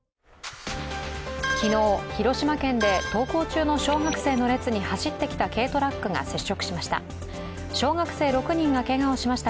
昨日、広島県で登校中の小学生の列に走ってきた軽トラックが接触しました。